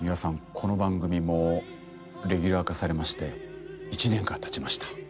この番組もレギュラー化されまして１年がたちました。